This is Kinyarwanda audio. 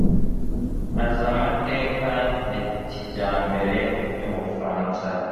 azi amateka ya kijyambere y'ubufaransa